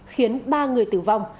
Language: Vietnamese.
khiến ba người tử vong